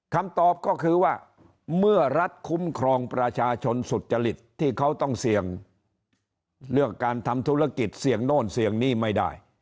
คำตอบก็คือว่าเมื่อรัฐคุ้มครองประชาชนสุจริตที่เขาต้องเสี่ยงเรื่องการทำธุรกิจเสี่ยงโน่นเสี่ยงหนี้ไม่ได้